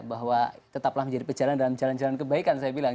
bahwa tetaplah menjadi perjalanan dalam jalan jalan kebaikan saya bilang